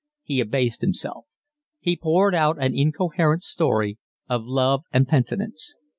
He abased himself. He poured out an incoherent story of love and penitence.